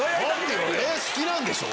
好きなんでしょ？